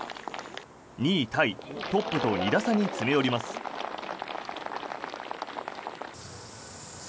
２位タイトップと２打差に詰め寄ります。